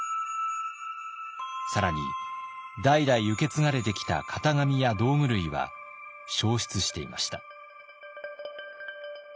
更に代々受け継がれてきた型紙や道具類は焼失していました。